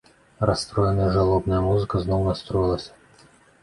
Расстроеная жалобная музыка зноў настроілася.